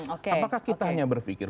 apakah kita hanya berfikir